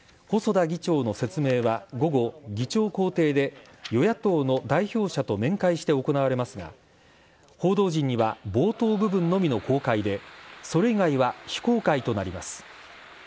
細田議長の説明は、午後、議長公邸で与野党の代表者と面会して行われますが、報道陣には冒頭部分のみの公開で、それ以外は非公開となります。